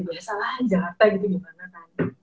biasa lah jahat aja gitu gimana